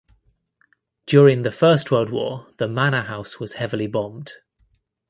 During the First World War the manor house was heavily bombed.